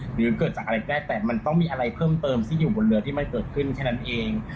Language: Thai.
หรือเกิดจากอะไรก็ได้แต่มันต้องมีอะไรเพิ่มเติมที่อยู่บนเรือที่มันเกิดขึ้นแค่นั้นเอง